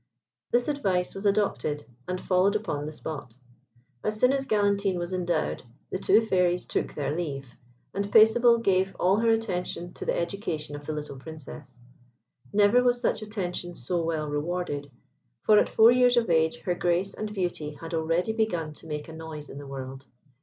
This advice was adopted, and followed upon the spot. As soon as Galantine was endowed, the two Fairies took their leave, and Paisible gave all her attention to the education of the little Princess. Never was such attention so well rewarded, for at four years of age her grace and beauty had already begun to make a noise in the world.